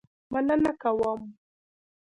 مننه کول.